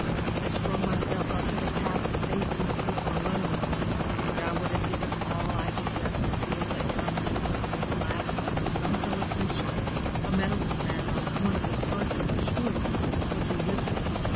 I strung myself up to the task of facing the future alone, but I would have given all I possessed to feel that during those supreme last moments some fellow creature a medical man or one of the clergy for choice would be with me.